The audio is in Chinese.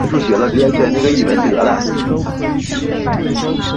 今北大东岛在行政区划上属于冲绳县岛尻郡北大东村管辖。